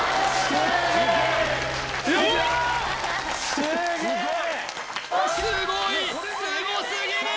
すげえすごいすごすぎる！